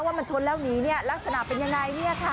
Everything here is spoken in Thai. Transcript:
ถ้ามันชนแล้วหนีเนี่ยลักษณะเป็นยังไงเนี่ยค่ะ